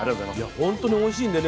本当においしいんでね